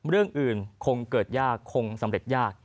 เรื่องอื่นคงเกิดยากคงสำเร็จยาก